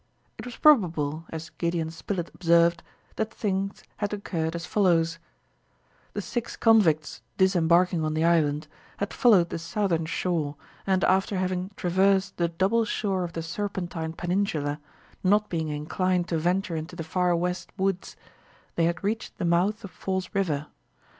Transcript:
It was probable, as Gideon Spilett observed, that things had occurred as follows: The six convicts, disembarking on the island, had followed the southern shore, and after having traversed the double shore of the Serpentine Peninsula, not being inclined to venture into the Far West woods, they had reached the mouth of Falls River.